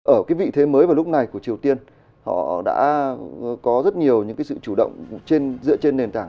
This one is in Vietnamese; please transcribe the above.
ở vị thế mới và lúc này của triều tiên họ đã có rất nhiều sự chủ động dựa trên nền tảng